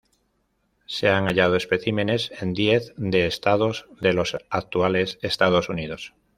Se han hallado especímenes en diez de estados de los actuales Estados Unidos.